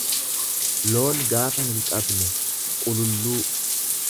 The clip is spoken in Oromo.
loon gaafa hinqabne, qululluu.